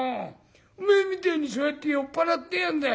おめえみてえにそうやって酔っ払ってやんだよ。